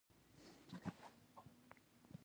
تاته خدای دومره امکانات درکړل.